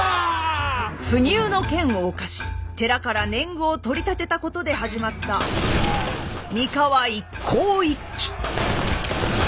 不入の権を侵し寺から年貢を取り立てたことで始まった三河一向一揆。